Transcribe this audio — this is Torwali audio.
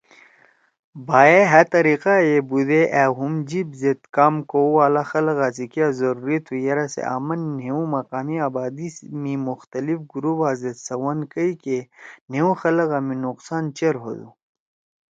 بھا ئے ہأ طریقہ ئے بُودے أ ہُم جیِب زید کام کؤ والا خلگا سی کیا ضروری تُھو یرأ سے آمن نھیؤ مقامی آبادی می مختلف گروپا سیت سوَن کئیکہ نھیؤ خلگا ما نقصان چیر ہودُو۔